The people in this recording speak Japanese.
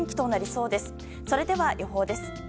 それでは予報です。